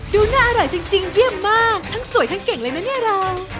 ดูน่าอร่อยจริงเยี่ยมมากทั้งสวยทั้งเก่งเลยนะเนี่ยเรา